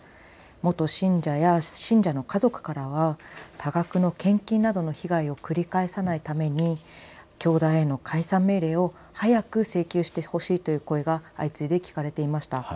元信者や信者の家族からは多額の献金などの被害を繰り返さないために教団への解散命令を早く請求してほしいという声が相次いで聞かれていました。